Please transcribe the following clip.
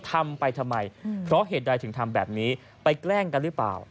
ทำไปทำไมเพราะเหตุใดถึงทำแบบนี้ไปแกล้งกันหรือเปล่า